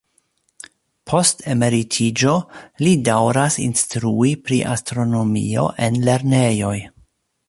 Post emeritiĝo, li daŭras instrui pri astronomio en lernejoj.